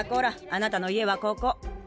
あなたの家はここ。